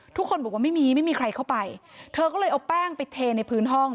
ทุกคนบอกว่าไม่มีไม่มีใครเข้าไปเธอก็เลยเอาแป้งไปเทในพื้นห้อง